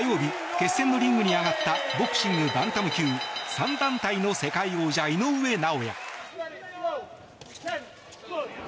決戦のリングに上がったボクシング、バンタム級３団体の世界王者・井上尚弥。